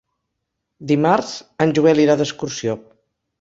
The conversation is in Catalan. Dimarts en Joel irà d'excursió.